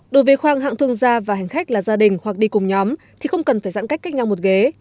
đối với khoang hạng thương gia và hành khách là gia đình hoặc đi cùng nhóm thì không cần phải giãn cách cách nhau một ghế